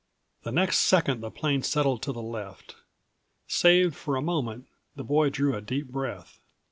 The next second the plane settled to the left. Saved for a moment, the boy drew a deep breath.